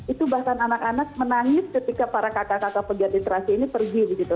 itu bahkan anak anak menangis ketika para kakak kakak pejabat literasi ini pergi begitu